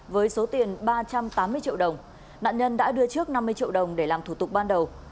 với số tiền ba trăm tám mươi triệu đồng nạn nhân đã đưa trước năm mươi triệu đồng để làm thủ tục ban đầu